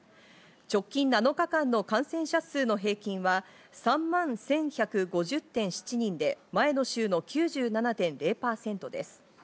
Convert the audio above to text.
直近７日間の感染者数の平均は３万１１５０．７人で、前の週の９７．０％です。